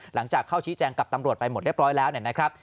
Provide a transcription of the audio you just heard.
หลังจากเข้าชี้แจงกับตำรวจไปหมดเรียบร้อยแล้วเนี่ยนะครับ